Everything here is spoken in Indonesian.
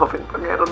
maafin pangeran ma